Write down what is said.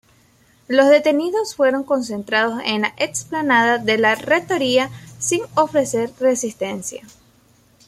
Los detenidos fueron concentrados en la explanada de la rectoría sin ofrecer resistencia.